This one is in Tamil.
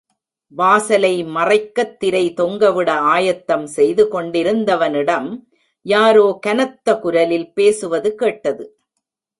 வாசலை மறைக்கத் திரை தொங்கவிட ஆயத்தம் செய்து கொண்டிருந்தவனிடம் யாரோ கனத்த குரலில் பேசுவது கேட்டது.